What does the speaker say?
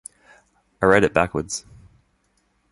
I read it backwards.